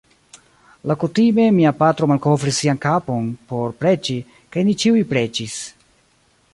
Laŭkutime mia patro malkovris sian kapon por preĝi, kaj ni ĉiuj preĝis.